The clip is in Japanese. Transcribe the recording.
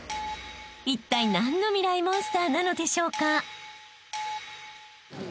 ［いったい何のミライ☆モンスターなのでしょうか？］